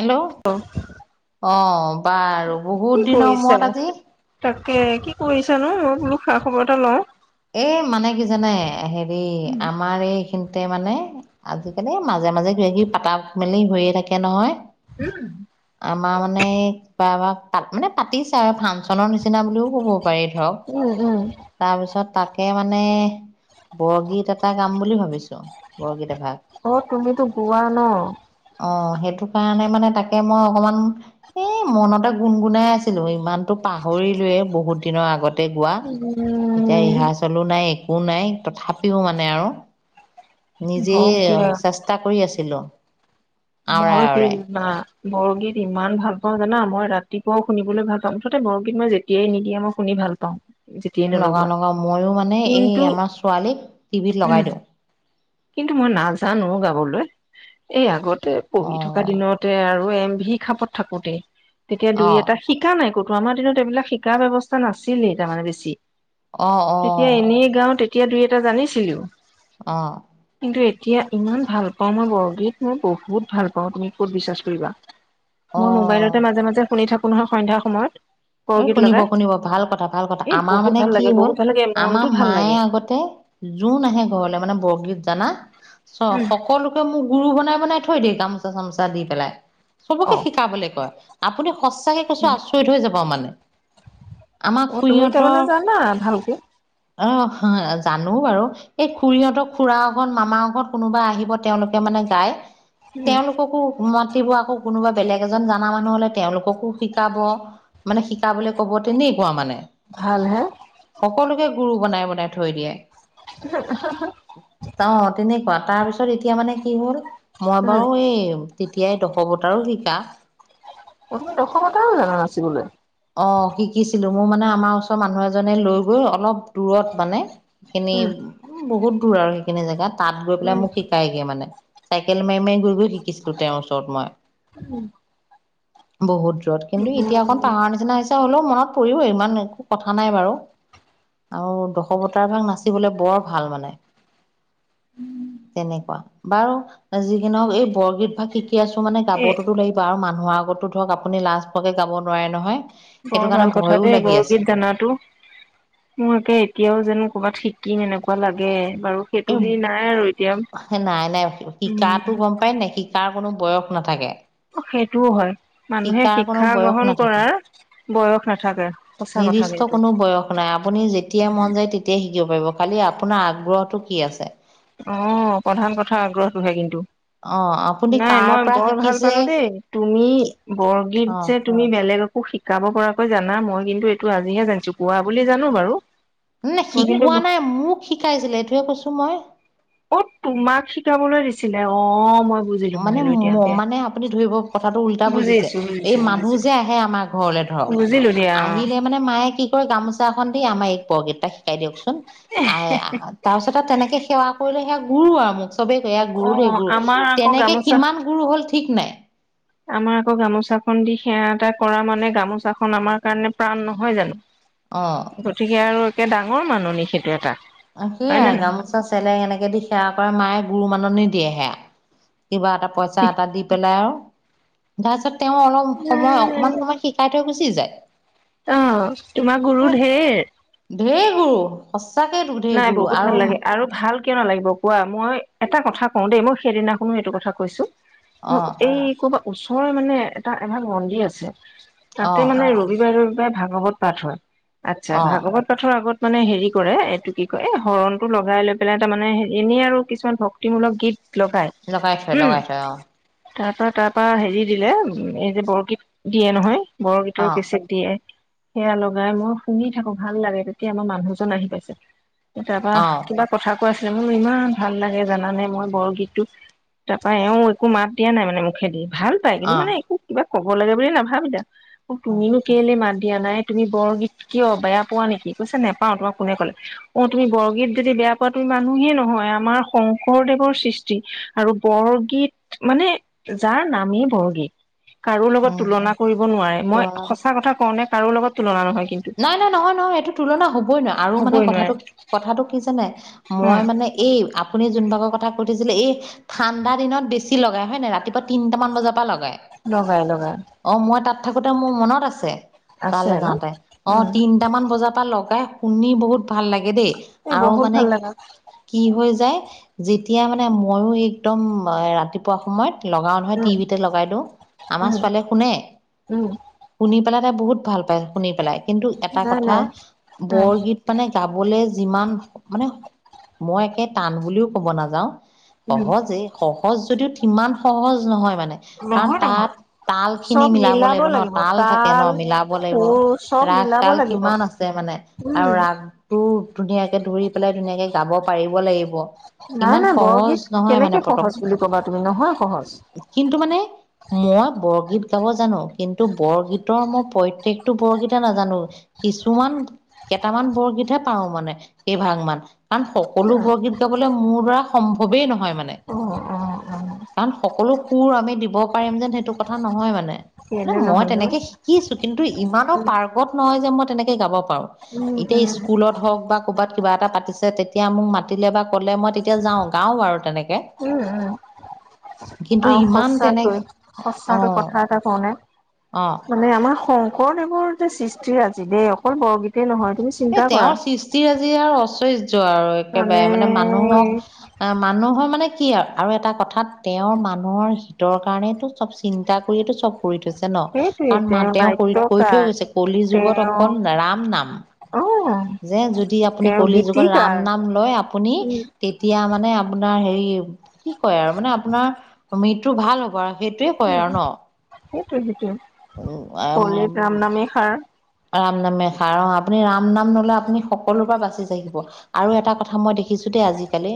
Hello আহ বাৰু কি বহুত দিনৰ কৰিছে মূৰত আজি তাকে কি কৰিছানো অলপ বোলো খা খবৰ এটা লওঁ এ মানে কি জানে হেৰি আমাৰ এইখিনি গতে মানে আজিকালি মাজে মাজে কি পাতা মেলি হৈয়ে থাকে নহয় আমাৰ মানে বাবা তাত মানে পাতিছে আৰু ফাংচনৰ নিচিনা বুলিও ক'ব পাৰি ধৰক উম উম তাৰপিছত তাকে মানে বৰগীত এটা গাম বুলি ভাবিছো বৰ গীত এভাগ অ তুমিতো গোৱা ন। অ সেইটো কাৰণে মানে তাকে মই অকমান এ মনতে গুণ গুণাই আছিলো ইমানতো পাহৰি কৰিলোৱৱে বহুত দিনৰ আগত উম এতিয়া ৰিহা চেলো নাই একো নাই তথাপিও মানে আৰু হওক নিজেই চেষ্টা কৰি আছিলো বহু কৈইদিন না বৰগীত ইমান ভাল পাওঁ জানা মই ৰাতিপুৱাও শুনিবলৈ ভাল পাওঁ মুঠতে বৰগীত মই যেতিয়াই নিদিয়ে মই শু ভাল পাওঁ যেতিয়াই লগাওঁ নলগোৱা লগাওঁ ময়ো মানে এই কিন্তু আমাৰ ছোৱালীক টিভিত লগাই উম দিওঁ কিন্তু মই নাজানো গাবলৈ এই আগতে পঢ়ি থকা অঁ দিনতে আৰু ভি খাপত থাকোতে তেতিয়া দুই অঁ এটা শিকা নাই ক গৰমৰ দিনত এইবিলাক শিকা ব্যৱস্থা নাছিলেই তাৰমানে বেছি অঁ অঁ তেতিয়া এনেই গাও তেতিয়া দুই এটা জানিছিলো আহ কিন্তু এতিয়া ইমান ভাল পাওঁ মই বৰগীত মই বহুত ভাল পাওঁ তুমি ক'ত বিশ্বাস কৰিবা মই অঁ মোবাইলতে মাজে মাজে শুনি থাকো নহয় সন্ধ্যাৰ সময়ত এ বৰগীত শুনিব লগাই শুনিব ভাল কথা ভাল কথা এই আমাৰ বহুত মানে ভাল কি লাগে হ'ল বহুত ভাল লাগে আমাৰ মনটো ভাল মায়ে লাগে আগতে জোন আহে ঘৰলে মানে বৰগীত জানা চোৱা উম, সকলোকে মোক গুৰু বনাই বনাই থৈ দেই গামোচা চামোচা দি পেলাই অ চবকে শিকাবলৈ কয় আপুনি সঁচাকে কৈছো উম, আচৰিত হৈ যাব মানে আমাক অ খুৰি তুমি তাৰমানে জানা ভালকে হঁতৰ অ জানো বাৰু এই খুৰীহঁতৰ খুুৰাৰ আগত মামাৰ আগত কোনোবা আহিব তেওঁলোকে মানে গাই উম, তেওঁলোককো মাতিব আকৌ কোনোবা বেলেগ এজন জাননা মানুহ হলে তেওঁলোককো শিকাব মানে শিকাবলে ক'ব তেনেকুৱা মানে ভাল হে সকলোকে গুৰু বনাই বনাই থৈ দিয়ে। অ', তেনেকুৱা তাৰপিছত এতিয়া মানে কি হ'ল মই উম বাৰু এই তেতিয়াই দশ বতাৰো শিকা। দশবতাও জানা নাচিবলৈ। অ শিকিছিলো মোৰ মানে আমাৰ ওচৰ মানুহ এজনে লৈ গৈ অলপ দূৰত মানে সেইখিনি উম উ বহুত দূৰ আৰু সেইখিনি জেগা তাত গৈ পেলাই উম মোক শিকাইগে মানে চাইকেল মা উম, কিন্তু এতিয়া অক নিচিনা সিঁচা হ' [unintelligible] লেও মনত পৰিও ইমান একো কথা নাই বাৰু আৰু দশৱতাৰ ভাগ নাচিবলৈ বৰ ভাল মানে তেনেকুৱা বাৰু যি কি নহওঁক এই বৰগীত ফাঁকি শিক আছোঁ মানে এ গাবটোতো লাগিব আৰু মানুহৰ আগতো ধৰক আপুনি লাজষ্ট পোৱাকৈ গাব নোৱাৰে নহয়। সেইটো বৰ কাৰণে ভাল কথা ভয়ো দেই লাগি বৰ আছে গীত জানাতো মোৰ আাকে এতিয়াও যেনো কবাত শিকিম এনেকুৱা লাগে। বাৰু সেইটো এ হেৰি নাই আৰু এতিয়া নাই নাই উম, শিকাতো গম পাই নাই শা তাৰ কোনো বয়স সেইটোও হয় মানুহে শিকাৰ কোনো শিক্ষা বয়স গ্ৰহণ নাথাকে কৰাৰ বয়স নাথাকে। সঁচা কথা নিৰ্দিষ্ট কিন্তু কোনো বয়স নাই আপুনি যেতিয়াই মন যায় তেতিয়াাই শ দিব পাৰিব খালি আপোনাৰ আগ্ৰহটো কি আছে। অ প্ৰধান কথা আগ্ৰহটোহে কিন্তু অ আপুনি নাই কাৰ মই পৰা বৰ ভাল শিকিছে পালো দেই তুমি অ বৰগীত যে তুমি বেলেগক শো শিকাব পৰাকৈ জানা মই কিন্তু এইটো আজিহে জানিছো কোৱা বুলি জানো বাৰু ন নাই মই কিন্তু শিকোৱা নাই মোক শিকাইছিলে এইটোৱে কৈছো মই অ তোমাক শিকাবলৈ দিছিলে অ', মই বুজিলো মানে বুজিলো এতিয়া ম দিয়া মানে আপুনি ধৰিব কথাটো উল্টা বুজিছে বুজিছো এই বুজিছো মানুহ বুজিছো যে আহে আমাৰ ঘৰলে ধৰক বুজিলো দিয়া আহিলে মানে মায়ে কি কৰে গামোচা এখন দি আমাৰ এই বৰগীতটা শিকাই দিয়কচোন তাৰ পিছত তেনেকে সেৱা কৰিলে সেয়া গুৰু আৰু মোক চবে ক ইয় অ', গুৰু দেই অ', গুৰু আমাৰ আকৌ তেনেকে গামোচা কিমান গুৰু হ'ল ঠিক নাই। আমাৰ আকৌ গামোচাখন দি সেৱা এটা কৰা মানে গামোচাখন আমাৰ কাৰণে প্ৰাণ নহয় অ জানো। গতিকে আৰু একে ডাঙৰ মানুহ নিে সেইটো এটা [inaudible] হয় নে সেয়াই নহয়? গামোচা চেলেং এনেকে দি সেৱা কৰে মায়ে গুৰু মাননি দিয়ে সেয়া কিবা এটা পইচা এটা দি পেলাই আৰু তাৰপিছত তেওঁ অলপ সময় অকমান সময় শিকাই থৈ গুচি যায়। অ' তোমাৰ গুৰু ঢেৰ ধেই গুৰু সঁচাকেতো ঢেৰ নাই গুৰু বহুত ভাল আৰু লাগে আৰু ভাল কিয় নালাগিব কোৱা মই এটা কথা কওঁ দেই মই সেইদিনাখনো এইটো কথা কৈছো ম অ এই ক'বাত ওচৰ মানে এটা এভাগ মন্দিৰ আছে অ তাতে মানে ৰবিবাৰৰ ভাগৱত পাঠ হয় আচ্ছা অ ভাগৱত পাঠৰ আগত মানে হেৰি কৰে এইটো কি কয় এই হৰণটো লগাই লৈ পেলাই তাৰমানে এনেই আৰু কিছুমান ভক্তিমূলক গীত লগাই লগাইছ উম লগাইছ অ। তাৰ পৰা তাৰ পৰা হেৰি দিলে উ এই যে বৰগীত দিয়ে নহয় বৰগীতৰ অ কেচেট দিয়ে সেয়া লগাই মই শুনি থাকো ভাল লাগে তেতিয়া আমাৰ মানুহজন আহি পাইছে। তাৰাপা কিবা কথা কৈ আছিলে মোৰ ইমান তাৰ পৰাা এওঁ একো মাত দি ভাল পায় কিন্তু অ মানে একো কিবা ক'ব লাগে বুলি নাভাবিলে মোক অ তুমিনো কেলে মাত দিয়া নাই তুমি বৰগীত কিয় বেয়া পোৱা নেকি কৈছা নাপাও তোমাক কোনে ক'লে অ তুমি বৰগীত যদি বেয়া বৰগীত মানে যাৰ নামেই বৰগীত কাৰো লগত উম তুলনা কৰিব নোৱাৰে মই তুলনা সঁচা কথা কওঁ নে কাৰো লগত তুলনা নহয়। কিন্তু নাই নাই নহয় নহয় এইটো তুলনা হবই নোৱয় আৰু মানে হ'বই নোৱাৰে কথাটো কি কথাটো কি জানে মই উম মানে এই আপু আপোনি যোন ভাগৰ কথা সুধিছিলে এই ঠাণ্ডা দিনত বেছি লগাই হয় নে ৰাতিপুৱা তিনটা মান বজাৰ পৰা লগাই। লগাই লগাই উম অ' মই তাত থাকোতে মোৰ মনত আছে আছে তালৈ ন যাওঁতে। অ' উম তিনিটামান বজাৰ পৰা লগাই শুনি বহুত ভাল লাগে দেই। এই আৰু বহুত মানে ভাল লাগে কি হৈ যায় যেতিয়া মানে ময়ো একদম ৰাতিপুৱা সময়ত লগাও নহয় উম টিভিতে লগাই দিওঁ আমাৰ উম ছোৱালীয়ে শুনে, উম শুনি পেলাই তাই বহুত ভাল পায় শুনি পেলাই কিন্তু এটা নাই কথা নাই উম বৰগীত মানে গাবলৈ যিমান মানে মই একে টান বুলিও ক'ব নাযাও উম সহজেই স সহজ যদিও তিমান সহজ নহয়। মানে কাৰণ নহয় নহয় তাত তাল খিনি মিলাব লাগিব ন তাল থাকে ন মিলাব লাগিব, সুৰ চব ৰাগ মিলাব তাল লাগিব কিমান আছে মানে উম আৰু ৰাগটো ধুনীয়াকে ধৰি পেলাই ধুনীয়াকে গাব পাৰিব লাগিব। নাই ইমান নাই সহজ বৰগীত নহয় মানে কেনেকে পতককে সহজ বুলি কবা তুমি নহয় সহজ। কিন্তু মানে মই বৰগীত গাব জানো কিন্তু বৰগীতৰ মই প্ৰত্যেকটো বৰগীত বেচিকে নাজানো। কিছুমান কেইটামান বৰগীতহে পাৰো মানে এই ভাগ মান। কাৰণ সকলো বৰগীত গাবলে মোৰ দ্বাৰা সম্ভৱেই নহয় মান। অ অ অ কাৰণ সকলো সুৰ আমি দিব পাৰিম যেন সেইটো কথা নহয় মানে। নে কেলে মই নহয় নো তেনেকে শিকিছো কিন্তু ইমানক নহয় যে মই তেনেকে গাব পাৰো। উম এতিয়া উম স্কুলত হওঁক বা কৰবাত কিবা এটা পাত পতিছে তেতিয়া মোক মাতিলে বা কলে মই তেতিয়া যাওঁ গাও বাৰু তেনেকে। উম উম কিন্তু আৰু ইমান সচাকৈ তেনেকে অ সচাকৈ কথা এটা কওঁনে? অ মানে আমাৰ শংকৰদেৱৰ যে সৃষ্টি ৰাজি দেই অকল বৰগীতেই নহয় তুমি এ চিন্তা কৰা তেওঁৰ সৃষ্টি ৰাজি আৰু অচৈ য্য আৰু একেবাৰে মানে মানুহক এ মানুহৰ মানে কি আৰু আৰু এটা কথাত তেওঁৰ মানুহৰ হিতৰ কাৰণেটো চব চিন্তা কৰিটো চব কৰি থৈছে ন সেইটোৱে কাৰণ মা তেওঁ কৰি কৰি থৈ নাট্যকাৰ গৈছে কলি যুগত তেওঁ অকল ৰাম নাম। অ'। যে যদি আপুনি তেওঁ কলি যুগত ৰাম গীতিকাৰ নাম লয় আপুনি উম, তেতিয়া মানে মানে আপোনাৰ হেৰি কি কয় আৰু মানে আপোনাৰ মৃত্যু ভাল হ'ব আৰু। সেইটোয়ে কয় আৰু ন। সেইটোোৱ সেইটোয়ে। কলিত উম ৰামনামেই সাৰ। ৰাম নামে সাৰ অ'। আপুনি ৰাম নাম ললে আপুনি সকলোৰে পৰা বাচি থাকিব আৰু এটা কথা মই দেখিছো দেখিছো দেই আজিকালি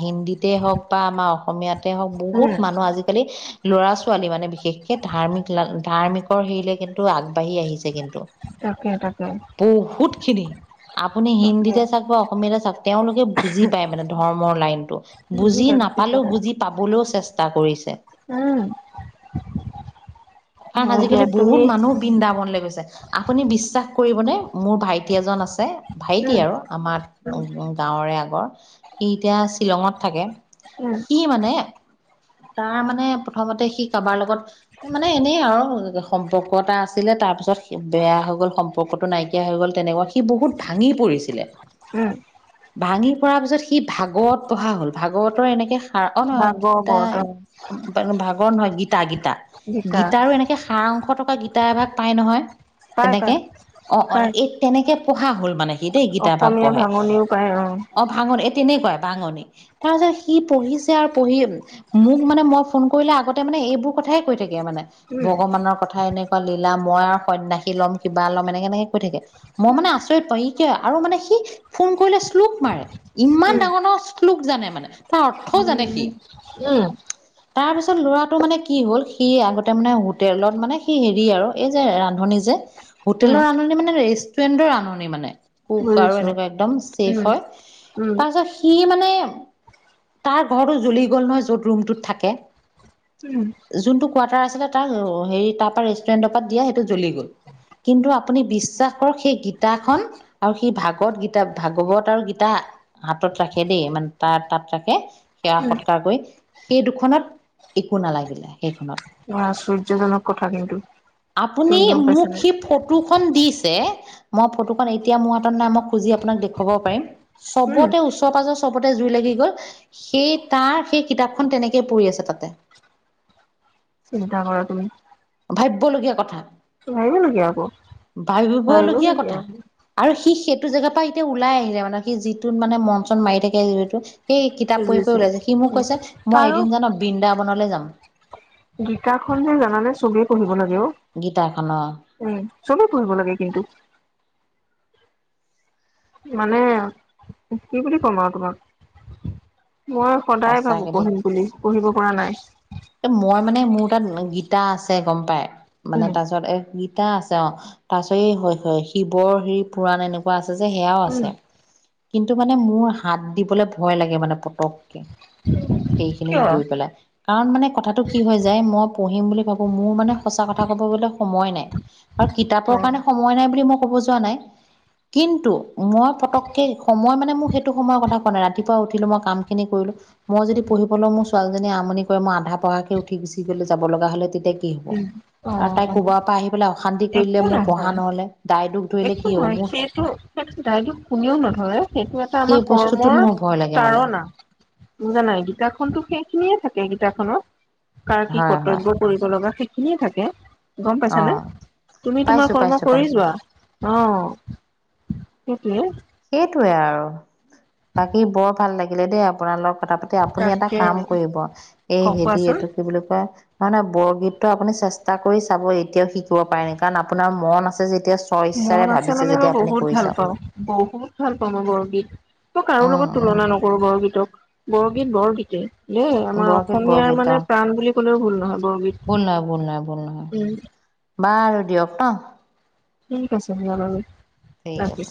হিন্দীতে হওক বা আমাৰ অসমীয়াত তে হওক উম, বহুত মানুহ আজিকালি ল'ৰা ছোৱালী মানে বিশেষকে ধাৰ্মিক লা ধাৰ্মিকৰ হেৰিলে কিন্তু আগবাঢ়ি আহিছে কিন্তু। থাকে থাকে। খিনি আপুনি হিন্দীতে চাওক বা অসমীয়াতে চাওক তেওঁলোক কে বুজি পাই মানে ধৰ্মৰ লাইনটো। বুজি পালো কি নাপালেও কলা। বুজি পাবলৈও চেষ্টা কৰিছে। [inaudible] [inaudible] কাৰণ হয় দিয়া আজিকালি তুমি বহুত মানুহ বিন্দা বনলৈ গৈছে। আপুনি বিশ্বাস কৰিবনে মোৰ ভাইটি এজন আছে ভাইটি উম, আৰু আমাৰ উম, গাঁৱৰে আগৰ সি এতিয়া শ্বিলঙত থাকে। উম, সি মানে তাৰ মানে প্ৰথমতে সি কাৰোবাৰ লগত মানে মানে এনেই আৰু সম্পৰ্ক এটা আছিলে তাৰ পিছত বেয়া হৈ গ'ল সম্পৰ্কতটো নাইকিয়া হৈ গ'ল তেনেকুৱা মানে সি বহুত ভাঙি পৰিছিলে। উম। ভাঙি পৰাৰ পিছত সি ভাগৱত পঢ়া হল ভাগৱতৰ এনেকে অ ভাগৱত অ, ন ভাগ [inaudible] হয়য় গীতা গীতা গীতা গীতাৰো এনেকে সাৰাংশ টকা গীতা এভাগ পাই নহয় পাই তেনেকে পাই অ অ পাই এই তেনেকে পঢ়া হ'ল মানে দেই গীতা ভাগ অসমীয়া পঢ়ে ভাঙনিও পায় অ ভাঙৰ এ তেনেকুৱাই ভাঙনি তাৰ পিছত সি পঢ়িছে আৰু পঢ়ি মোক মানে মই ফোন কৰিলে আগতে মানে এইবোৰ কথাই কৈ থাকে মানে উম, ভগৱানৰ কথা এনেকুৱা লীলা মই আৰু সন্যাসী লম কিবা লম এনেকে এনেকে কৈ থাকে মই মানে আচৰিত পাওঁ ই ক আৰু মানে সি ফোন কৰিলে শ্লোক মাৰে ইমান উম, ডাঙৰ শ্লুোক জানে মানে তাৰ অৰ্থও জানে সি উম তাৰ পিছত ল'ৰাটো মানে কি হ'ল সি আগতে মানে হোটেলত মানে সি হেৰি আৰু এই যে ৰান্ধনী যে উম, হোটেলৰ ৰান্ধনী মানে বুজিছো উম, উম, [inaudible] তাৰ ঘৰটো জ্বলি গ'ল নহয় য'ত ৰুমটোত থাকে উম যোনটো কোৱাৰ্টাৰ আছিলে তাৰ হেৰি তাৰ পৰা ৰেষ্টুৰেণ্টৰ পৰা দিয়া সেইটো জ্বলি গ'ল কিন্তু আপুনি বিশ্বাস কৰক সেই গীতাখনন আৰু সেই ভাগৱত গীতা ভাগৱত আৰু গীতা হাতত ৰাখে দেই মানে তাত তাত ৰাখে সেৱা উম, সৎকাৰ কৰি সেই দুখনত একো নালাগিলে সেইখনত আশ্চৰ্যজনক কথা কিন্তু আপুনি তুমি গম পাইছা মোক নে সি ফটোখনন দিছে মই ফটো এতিয়া মোৰ হাতত ন মই খুজ আপোনাক দেখাব পাৰিম উম, চবতেওচৰ চবতে জুই লাগি গ'ল সেই তাৰ সেই কিতাপখন তেনেকে পৰিঢ আছে তাতে [inaudible] চিন্তা কৰা তুমি ভাবিবলগীয়া কথা ভাবিবলগীয়া আকৌ ভাবিবলগীয়া কথা আৰু সি সেইটো জেগাৰ পৰা এতিয়া ওলাই আহিলে মানে সি যিটোত মানে মন চ মি থাকে যিহেতটো সেই কিতাপ পঢ়ি পঢ়ি বুজিছো ওলাইছে সি মোক উম। কৈছে মই এদিন জান বৃন্দাবনলৈ যাম গীতা খন যে জানানে চবে পঢ়িব লাগে গীতাখনৰ উম চবেই পঢ়ব লাগে কিন্তু মানে কি বুলি কম আৰু তোমাক মই সদায় ভাবো সঁচাকে দেই পঢ়িম বুলি পঢ়িব পৰা নাই এ মই মানে মোৰ তাত গীতা আছে গম পাই মানে উম তাৰ পিছত এ তা আছে অ তাৰ পিছত হয় হয় শিৱৰ হেৰি পুৰাণ এনেকুৱা আছে যে সেয়াও উম আছে কিন্তু মানে মোৰ হাত দিবলে ভয় লাগে মানে পতককে সেইখিনিত কিয় গৈ পেলাই কাৰণ মানে কথাটো কি হৈ যায় মই পঢ়িম বুলি ভাবো মোৰ মানে সঁচা কথা ক'ব বলে সময় নাই আৰু অ কিতাপৰ কাৰণে সময় নাই বুলি মোক ব য নাই কিন্তু মই েই সময় মানে মোৰ সেইটো সময়ৰ কথা কোৱা নাই ৰাতিপুৱা উঠিলো মই কাম খিনি কৰিলো মই যদি পঢ়িবলৈও মোৰ ছোৱালীজনী আমনি কৰে মই আধা পহাকে উঠি গুচি গলে যাব লগা হলে তেতিয়া তেয়া কি হব অ আৰু তাই কৰবাৰ পৰা আহি পেলাই অশান্তি কৰিলে একো মোৰ পঢ়া নহয়। নহলে দাইদ একো নাই সটো দাই হয় সেইটো এটা সেই আমাৰ বস্তুটোত কৰ্মৰ মোৰ ভয় লাগে মানে তাৰণা বুজা নাই গীতাখননতো শেষ সেই খিনিয়ে থাকে কিতাপখনত কাৰ কি হয় হয় কৰ্তব্য কৰিব লগা সেইখিনিয়ে থাকে গম অ পাইছানে তুমি তোমাৰ পাইছো কৰ্ম পাইছো কৰি পাইছো যোৱা অ সেইটে সেইটোৱে আৰু বাকী বৰ ভাল লাগিলে দেই আপোনালোক কথা পাতি আপুনি এটা তাকে কাম কৰিব ক এই হেৰি কোৱাচোন। এইটো কি বুলি কয় হয়হ নহ বৰগীতটো আপুনি চেষ্টা কৰি চাব এতিয়াও শিকিব পাৰেি ন কাৰণ আপোনাৰ মন আছে যে মন আছে মানে মই বহুত ভাল চাওক পাওঁ বহুত বহুত ভাল পাওঁ মই বৰগীত মই কাৰো লগত উম তুলনা নকৰো বৰগীতক বৰগীত বৰগীতে দেই উম আমাৰ বৰগীত অসমীয়াৰ বৰগীত মানে প্ৰাণ বুলি ক'লেও ভুল নহয় বৰগীত ভ নহয় উম, বা আৰু দিয়ক ন ঠিক আছে জানালে ঠিক আছে